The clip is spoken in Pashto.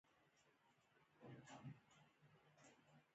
خو پوښتنه دا وه چې کارنګي به خرڅلاو ته غاړه کېږدي؟